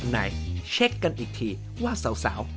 ไหนเช็คกันอีกทีว่าสาว